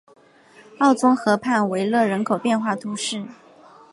奥宗河畔维勒人口变化图示